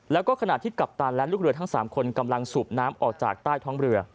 แล้วก็ขณะที่กัปตันและลูกเรือทั้ง๓คนกำลังสูบน้ำออกจากใต้ท้องเรือ